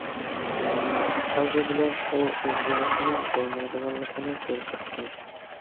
ئالدى بىلەن ئۇ ئۆزگىرىشنىڭ بولمايدىغانلىقىنى كۆرسەتكەن.